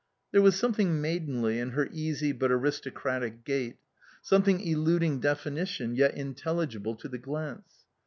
There was something maidenly in her easy, but aristocratic gait, something eluding definition yet intelligible to the glance.